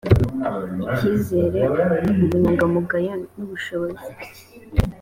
icyizere ubunyangamugayo n ubushobozi